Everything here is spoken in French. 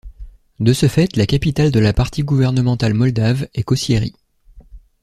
De ce fait la capitale de la partie gouvernementale moldave est Cocieri.